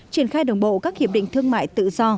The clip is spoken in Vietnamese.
triển khai đồng bộ các hiệp định thương mại tự do